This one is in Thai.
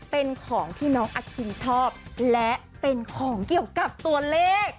เป็นของที่น้องอคินชอบและเป็นของเกี่ยวกับตัวเลข